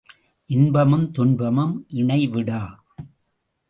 இன்பமும் துன்பமும் இணை விடா.